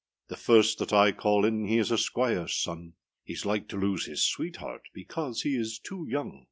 The first that I call in He is a squireâs son; Heâs like to lose his sweetheart Because he is too young.